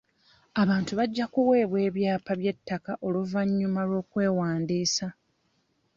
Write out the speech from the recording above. Abantu bajja kuweebwa ebyapa by'ettaka oluvannyuma lw'okwewandiisa.